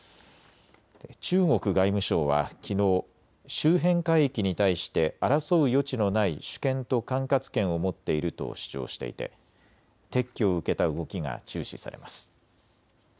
中国外務省はきのう周辺海域に対して争う余地のない主権と管轄権を持っていると主張していて撤去を受けた動きが注視されます。